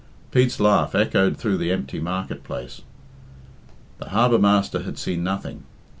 Pete's laugh echoed through the empty market place. The harbour master had seen nothing.